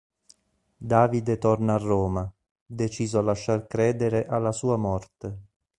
Davide torna a Roma, deciso a lasciar credere alla sua morte.